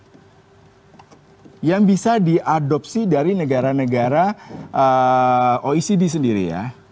kemudian sistem moneter yang bisa diadopsi dari negara negara oecd sendiri